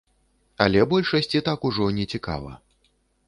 Але большасці так ужо не цікава.